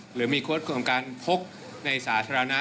หรือมีโค้ดของการพกในสาธารณะ